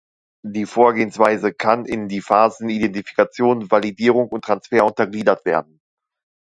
Die Vorgehensweise kann in die Phasen Identifikation, Validierung und Transfer untergliedert werden.